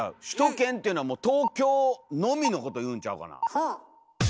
首都圏っていうのは東京のみのことをいうんちゃうかな。